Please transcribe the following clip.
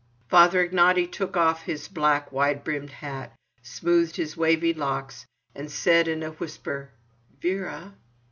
Father Ignaty took off his black wide brimmed hat, smoothed his wavy locks, and said in a whisper: "Vera!"